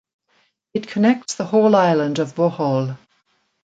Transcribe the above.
It connects the whole island of Bohol.